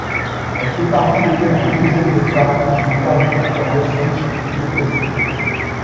Elle fait partie des quelques dizaines de femmes qui ont gardé les camps d'Auschwitz-Birkenau.